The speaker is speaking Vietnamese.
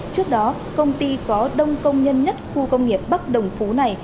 trước đó công ty có đông công nhân nhất khu công nghiệp bắc đồng phú này